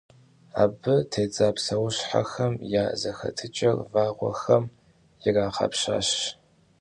Абы тедза псэущхьэхэм я зэхэтыкӀэр вагъуэхэм ирагъэпщащ.